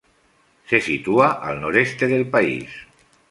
Se sitúa al noreste del país.